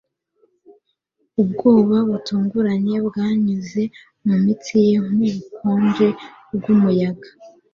Ubwoba butunguranye bwanyuze mu mitsi ye nkubukonje bwumuyaga